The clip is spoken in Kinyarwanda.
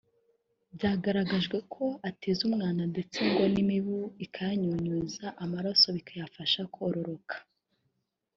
byagaragajwe ko ateza umwanda ndetse ngo n’imibu ikayanyunyuza amaraso bikayifasha kororoka